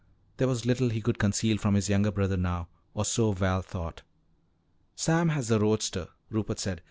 There was little he could conceal from his younger brother now or so Val thought. "Sam has the roadster," Rupert said.